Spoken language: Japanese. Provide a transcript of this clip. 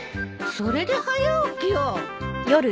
それで早起きを。